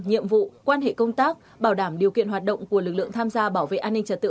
nhiệm vụ quan hệ công tác bảo đảm điều kiện hoạt động của lực lượng tham gia bảo vệ an ninh trật tự